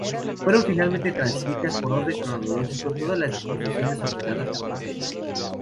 Fueron fielmente transcritas por orden cronológico todas las disposiciones ordenadas por materia.